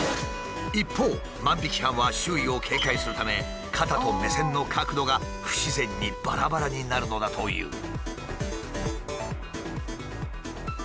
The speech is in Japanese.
一方万引き犯は周囲を警戒するため肩と目線の角度が不自然にばらばらになるのだという。